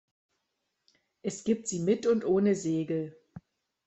Es gibt sie mit und ohne Segel.